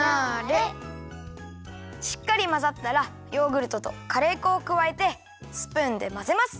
しっかりまざったらヨーグルトとカレー粉をくわえてスプーンでまぜます。